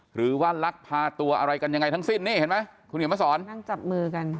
หรือว่าลักภาตัวอะไรกันยังไงทั้งสิ้นนี่เห็นไหมคุณเห็นไหมสอน